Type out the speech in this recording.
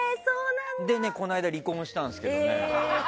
でね、この間離婚したんですけどね。